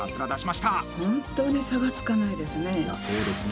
本当に差がつかないですね。